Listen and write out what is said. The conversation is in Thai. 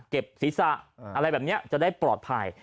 เก็บศีรษะได้ปลอดภัย